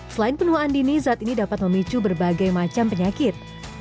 selain penuaan dini zat ini dapat memicu berbagai macam penyakit